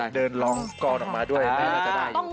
เห็นแม่เดินลองกรอดออกมาด้วยแม่ก็จะได้อยู่